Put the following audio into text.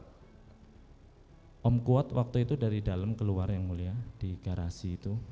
om kuat waktu itu dari dalam keluar yang mulia di garasi itu